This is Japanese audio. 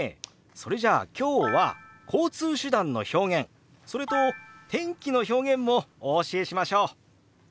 それじゃあ今日は交通手段の表現それと天気の表現もお教えしましょう！